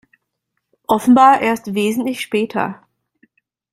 Offenbar erst wesentlich später.